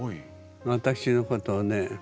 私のことをね